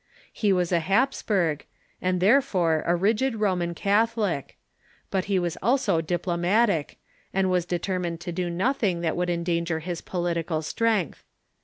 He was a Haps Diet at Worms ,,,„•• t t ./< i t / burg, and therefore a rigid Roman Catholic ; but he was also diplomatic, and was determined to do nothing that would endanger his political strength.